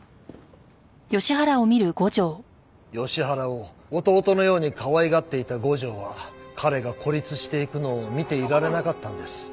吉原を弟のようにかわいがっていた五条は彼が孤立していくのを見ていられなかったんです。